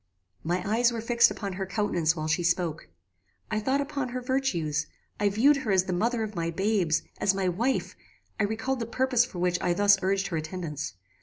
"My eyes were fixed upon her countenance while she spoke. I thought upon her virtues; I viewed her as the mother of my babes: as my wife: I recalled the purpose for which I thus urged her attendance.